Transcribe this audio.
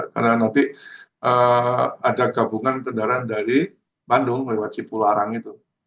karena nanti ada gabungan kendaraan dari bandung lewat cipu larang itu